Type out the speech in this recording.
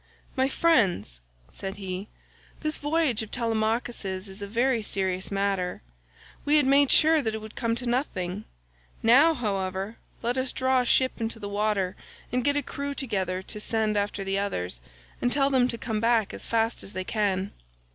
"My friends," said he, "this voyage of Telemachus's is a very serious matter; we had made sure that it would come to nothing. Now, however, let us draw a ship into the water, and get a crew together to send after the others and tell them to come back as fast as they can."